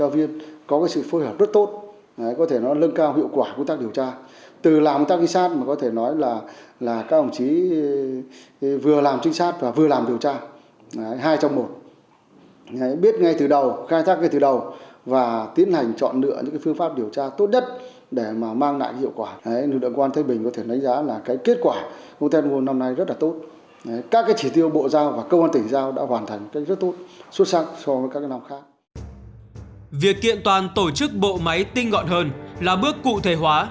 việc kiện toàn tổ chức bộ máy tinh gọn hơn là bước cụ thể hóa